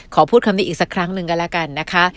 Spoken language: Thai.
ขอพูดคำนี้อีกสักครั้งหนึ่งกันแล้วกันนะคะ